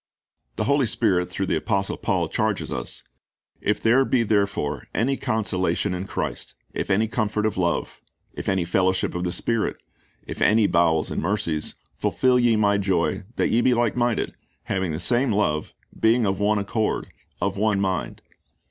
The Holy Spirit through the apostle Paul charges us: "If there be therefore any consolation in Christ, if any comfort of love, if any fellowship of the Spirit, if any bowels and mercies, fulfil ye my joy, that ye be like minded, having the same love, being of one accord, of one mind.